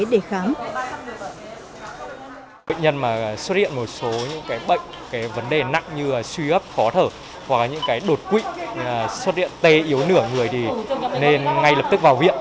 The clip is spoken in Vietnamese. bệnh nhân mà xuất hiện một số những bệnh vấn đề nặng như suy ấp khó thở hoặc đột quỵ sốt điện tê yếu nửa người thì nên ngay lập tức vào viện